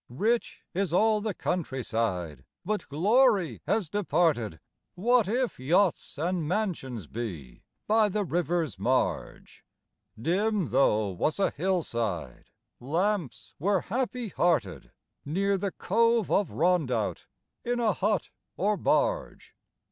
Rich is all the countryside, but glory has departed, What if yachts and mansions be, by the river's marge! Dim though was a hillside, lamps were happy hearted, Near the cove of Rondout in a hut or barge.